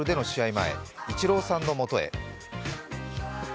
前イチローさんのもとへ。